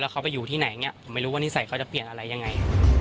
เขาไปอยู่ที่ไหนอย่างนี้ผมไม่รู้ว่านิสัยเขาจะเปลี่ยนอะไรยังไง